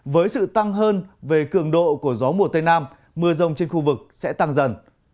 với sự tăng hơn về cường độ của gió mùa tây nam mưa rông trên khu vực sẽ tăng dần